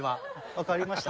分かりました。